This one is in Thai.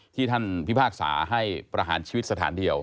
ท่านพิพากษาให้ประหารชีวิตสถานเดียว